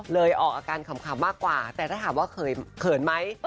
ออกอาการขำมากกว่าแต่ถ้าถามว่าเขินไหม